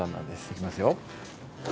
行きますよ。